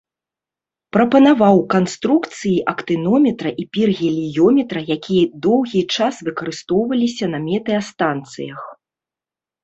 Прапанаваў канструкцыі актынометра і піргеліёметра, якія доўгі час выкарыстоўваліся на метэастанцыях.